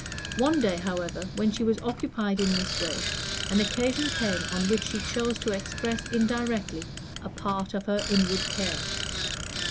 One day, however, when she was occupied in this way, an occasion came on which she chose to express indirectly a part of her inward care.